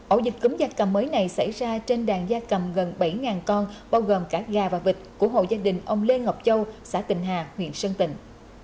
ổ dịch cấm gia cầm mới này xảy ra trên đàn gia cầm gần bảy con bao gồm cả gà và vịt của hộ gia đình ông lê ngọc châu xã tình hà huyện sơn tình